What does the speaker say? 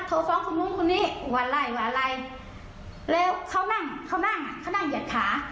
โทรฟ้องคนนู้นคนนี้ว่าไล่ว่าอะไรแล้วเขานั่งเขานั่งอ่ะเขานั่งเหยียดขา